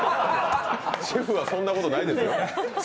シェフは、そんなことないですよ。